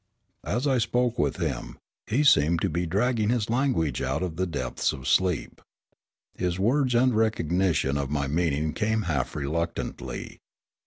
As I spoke with him, he seemed to be dragging his language out of the depths of sleep. His words and recognition of my meaning came half reluctantly.